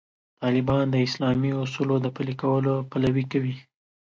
طالبان د اسلامي اصولو د پلي کولو پلوي کوي.